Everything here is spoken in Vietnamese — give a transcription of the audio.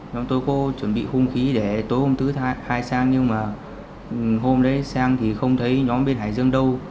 nhóm tôi có chuẩn bị hung khí để tối hôm thứ hai khai sang nhưng mà hôm đấy sang thì không thấy nhóm bên hải dương đâu